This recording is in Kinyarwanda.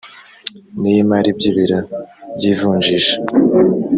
n iy imari by ibiro by ivunjisha